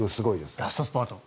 ラストスパート。